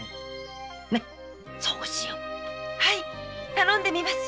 頼んでみます。